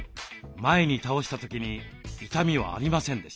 前に倒した時に痛みはありませんでした。